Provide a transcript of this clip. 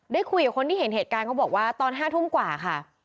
ได้คุยกับคนที่เห็นเหตุการณ์เขาบอกว่าตอน๕ทุ่มกว่าค่ะ